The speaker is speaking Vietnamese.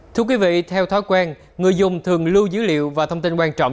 thưa quý vị theo thói quen người dùng thường lưu dữ liệu và thông tin quan trọng